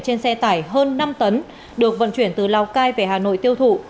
trên xe tải hơn năm tấn được vận chuyển từ lào cai về hà nội tiêu thụ